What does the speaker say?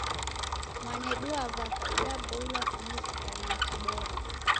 Mwanedu wa w'aka udaboilwa kunizighana nikibora.